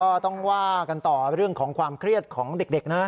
ก็ต้องว่ากันต่อเรื่องของความเครียดของเด็กนะ